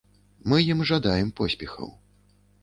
Мы ім жадаем поспехаў.